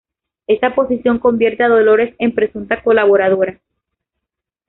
Esta posición convierte a Dolores en presunta colaboradora.